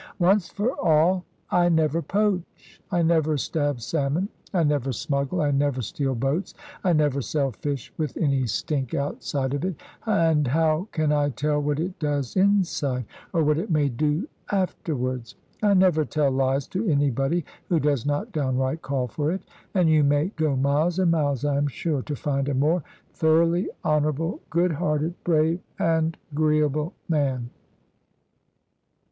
Once for all, I never poach, I never stab salmon, I never smuggle, I never steal boats, I never sell fish with any stink outside of it, and how can I tell what it does inside, or what it may do afterwards? I never tell lies to anybody who does not downright call for it; and you may go miles and miles, I am sure, to find a more thoroughly honourable, good hearted, brave, and agreeable man.